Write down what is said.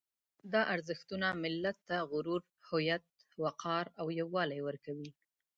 دا ارزښتونه ملت ته غرور، هویت، وقار او یووالی ورکوي.